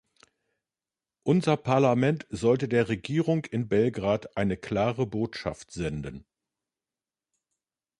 Unser Parlament sollte der Regierung in Belgrad eine klare Botschaft senden.